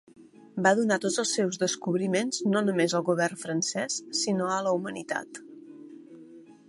Va donar tots els seus descobriments no només al govern francès, sinó a la humanitat.